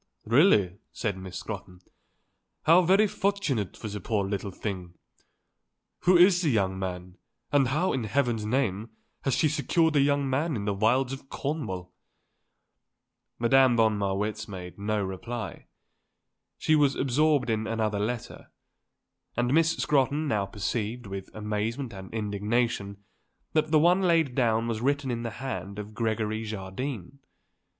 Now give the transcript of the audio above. "Really," said Miss Scrotton, "how very fortunate for the poor little thing. Who is the young man, and how, in heaven's name, has she secured a young man in the wilds of Cornwall?" Madame von Marwitz made no reply. She was absorbed in another letter. And Miss Scrotton now perceived, with amazement and indignation, that the one laid down was written in the hand of Gregory Jardine.